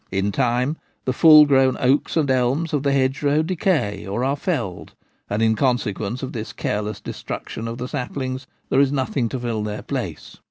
In time the full grown oaks and elms of the hedgerow decay, or are felled ; and in consequence of this careless de struction of the saplings there is nothing to fill their place.